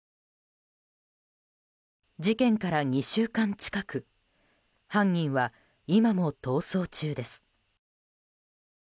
事件から２週間近く犯人は今も逃走中です。